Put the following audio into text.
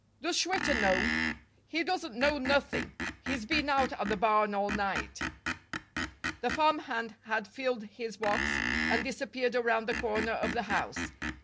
"Does Schwitter know?" "He doesn't know nothing. He's been out at the barn all night." The farmhand had filled his box and disappeared around the corner of the house.